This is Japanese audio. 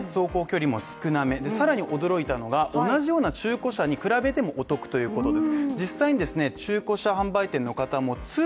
さらに驚いたのが、同じような中古車に比べてもお得ということです。